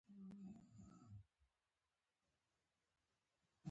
دا خلک د خرابو انجینرانو له ضرر څخه ساتي.